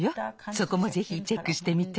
そこもぜひチェックしてみて。